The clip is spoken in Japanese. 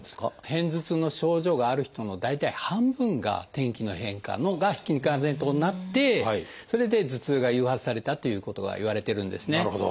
片頭痛の症状がある人の大体半分が天気の変化が引き金となってそれで頭痛が誘発されたということがいわれてるんですね。